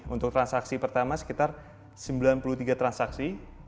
untuk transaksi pertama sekitar sembilan puluh tiga transaksi